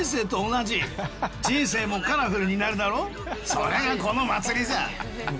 それがこの祭りさ。